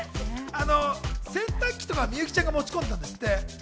洗濯機とかは幸ちゃんが持ち込んでたんですって。